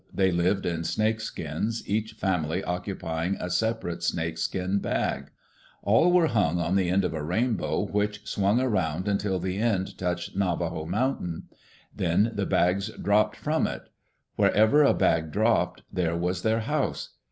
They lived in snake skins, each family occupying a separate snake skin bag. All were hung on the end of a rainbow which swung around until the end touched Navajo Mountain. Then the bags dropped from it. Wherever a bag dropped, there was their house.